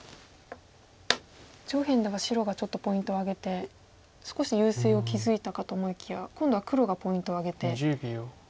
上辺では白がちょっとポイントを挙げて少し優勢を築いたかと思いきや今度は黒がポイントを挙げて。